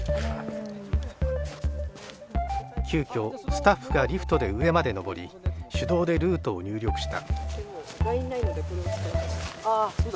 急きょスタッフがリフトで上まで登り手動でルートを入力した。